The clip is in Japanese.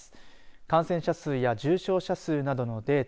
感染者数や重症者数などのデータ